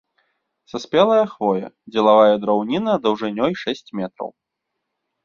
Саспелая хвоя, дзелавая драўніна даўжынёй шэсць метраў.